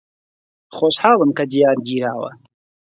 خۆشحاڵم کە دیار گیراوە.